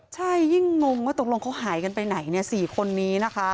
ใช่ยิ่งงงว่าตกลงเขาหายกันไปไหน๔คนนี้นะคะ